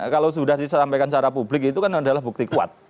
kalau sudah disampaikan secara publik itu kan adalah bukti kuat